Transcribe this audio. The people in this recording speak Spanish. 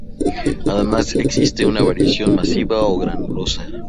Además existe una variante masiva o granulosa.